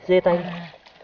dê tay đi